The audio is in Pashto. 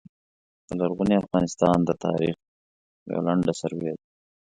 د لرغوني افغانستان د تاریخ یوع لنډه سروې ده